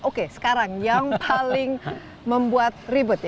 oke sekarang yang paling membuat ribet ya